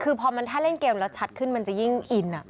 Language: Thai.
คือพอมันถ้าเล่นเกมแล้วชัดขึ้นมันจะยิ่งอิน